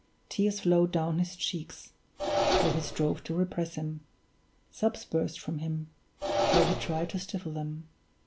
Tears flowed down his cheeks, though he strove to repress them: sobs burst from him, though he tried to stifle them.